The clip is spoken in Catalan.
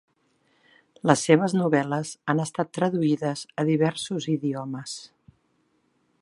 Les seves novel·les han estat traduïdes a diversos idiomes.